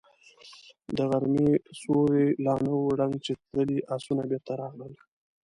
د غرمې سيوری لا نه و ړنګ چې تللي آسونه بېرته راغلل.